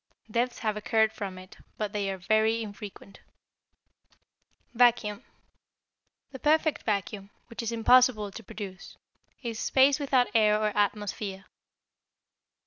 Deaths have occurred from it, but they are very infrequent. =Vacuum.= The perfect vacuum, which it is impossible to produce, is space without air or atmosphere.